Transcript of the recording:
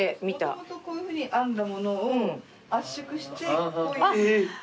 もともとこういうふうに編んだ物を圧縮してこういう。